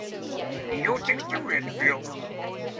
Neo takes the red pill.